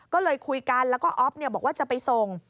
ก็เลยคุยกันแล้วก็อ๊อฟบอกว่าจะไปส่ง